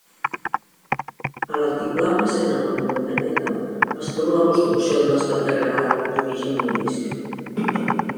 A l'altiplà present en la muntanyeta, es troba una construcció en estat degradat d'origen morisc.